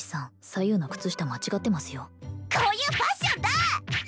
左右の靴下間違ってますよこういうファッションだ！